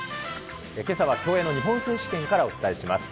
けさは競泳の日本選手権からお伝えします。